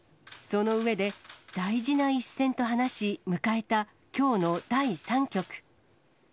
その上で、大事な一戦と話し、迎えたきょうの第３局。